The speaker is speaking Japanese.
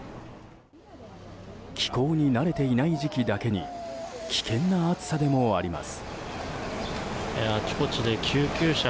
気候に慣れていない時期だけに危険な暑さでもあります。